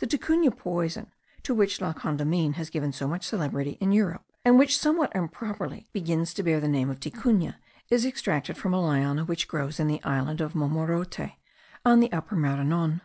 The Ticuna poison, to which La Condamine has given so much celebrity in Europe, and which somewhat improperly begins to bear the name of ticuna, is extracted from a liana which grows in the island of Mormorote, on the Upper Maranon.